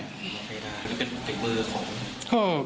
แล้วเป็นติดมือของ